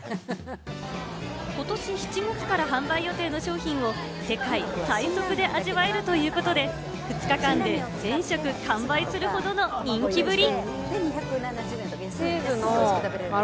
ことし７月から販売予定の商品を世界最速で味わえるということで、２日間で１０００食完売するほどの人気ぶり！